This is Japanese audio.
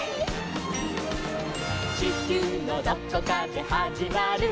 「ちきゅうのどこかではじまる」